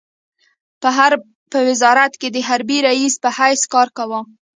په حرب په وزارت کې د حربي رئيس په حیث کار کاوه.